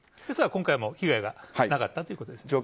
ですから、今回も被害がなかったということです。